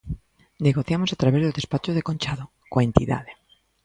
Negociamos a través do despacho de Conchado coa entidade.